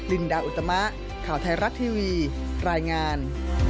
ลินดาอุตมะข่าวไทยรัฐทีวีรายงาน